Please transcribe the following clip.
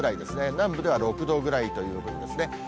南部では６度ぐらいということですね。